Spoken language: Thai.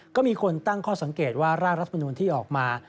ก็มีคนตั้งข้อสังเกตว่าร่างรัฐมนุนที่ออกมา